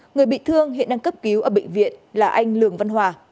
người bị thương hiện đang cấp cứu ở bệnh viện là anh lường văn hòa